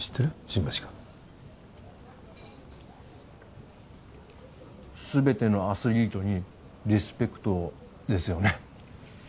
新町くんすべてのアスリートにリスペクトをですよね？